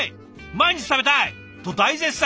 毎日食べたい！」と大絶賛。